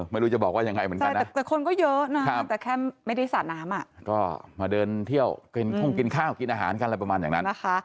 ไม่รู้จะบอกว่ายังไงเหมือนกันนะ